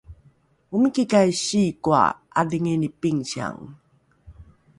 omikikai sikoa ’adhingini pingsiang?